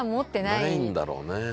ないんだろうね。